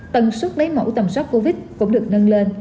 tầng suất lấy mẫu tầm soát covid cũng được nâng lên